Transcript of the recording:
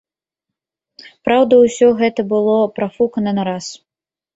Праўда, усё гэта было прафукана на раз.